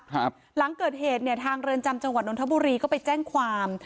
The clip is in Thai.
หลังเกิดเหตุเนี่ยทางเรือนจำจังหวัดนทบุรีก็ไปแจ้งความ